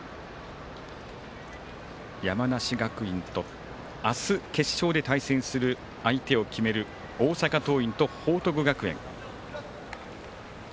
山梨学院と明日決勝で対戦する相手を決める大阪桐蔭と報徳学園。